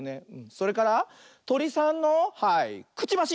それからトリさんのはいくちばし！